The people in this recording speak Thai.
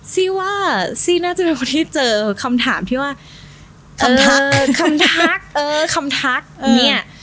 ซี่ว่าซี่น่าจะเป็นคนที่เจอคำถามที่ว่าคำทักเออคำทักเนี่ย